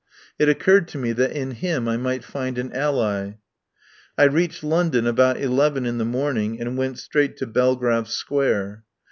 It occurred to me that in him I might find an ally. I reached London about eleven in the morn ing, and went straight to Belgrave Square.